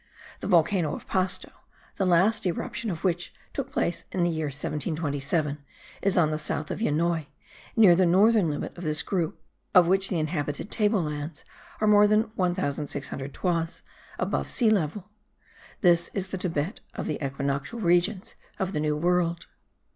The volcano of Pasto, the last eruption of which took place in the year 1727, is on the south of Yenoi, near the northern limit of this group, of which the inhabited table lands are more than 1600 toises above sea level. It is the Thibet of the equinoctial regions of the New World.